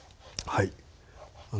はい。